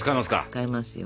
使いますよ。